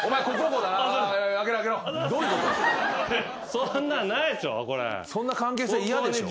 そんな関係性嫌でしょ。